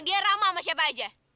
dia ramah sama siapa aja